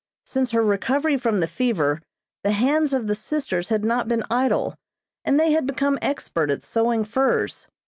Since her recovery from the fever the hands of the sisters had not been idle, and they had become expert at sewing furs.